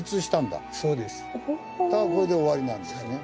だからこれで終わりなんですね。